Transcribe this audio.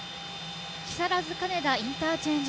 木更津金田インターチェンジ